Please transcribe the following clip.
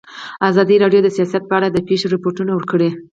ازادي راډیو د سیاست په اړه د پېښو رپوټونه ورکړي.